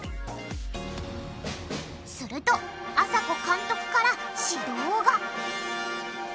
するとあさこ監督から指導が！